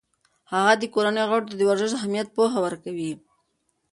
هغه د کورنۍ غړو ته د ورزش اهمیت پوهه ورکوي.